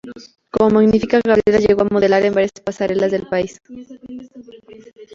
Como Magnifica, Gabriela llegó a modelar en varias pasarelas del país.